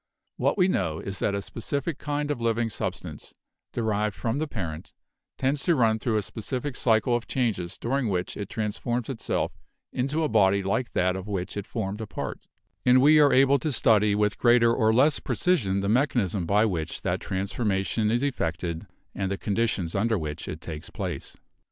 What we know is that a spe cific kind of living substance, derived from the parent, tends to run through a specific cycle of changes during which it transforms itself into a body like that of which it formed a part; and we are able to study with greater or less precision the mechanism by which that transforma tion is effected and the conditions under which it takes place.